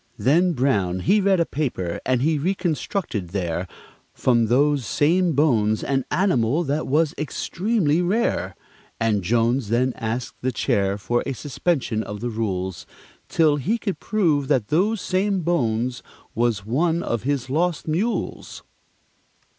Then Brown he read a paper, and he reconstructed there, From those same bones, an animal that was extremely rare; And Jones then asked the Chair for a suspension of the rules, Till he could prove that those same bones was one of his lost mules.